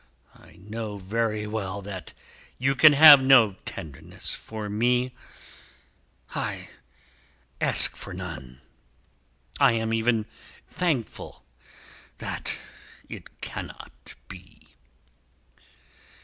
I know very well that you can have no tenderness for me; I ask for none; I am even thankful that it cannot be."